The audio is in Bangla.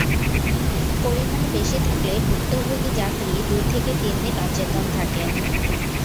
পরিমাণে বেশি থাকলে ভুক্তভোগী যাত্রী দুই থেকে তিন দিন অচেতন থাকেন।